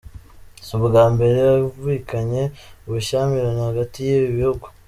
Si ubwa mbere humvikanye ubushyamirane hagati y’ibi bihugu.